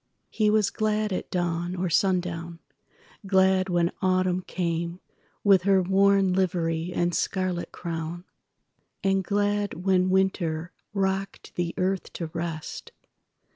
He was gladAt dawn or sundown; glad when Autumn cameWith her worn livery and scarlet crown, And glad when Winter rocked the earth to rest.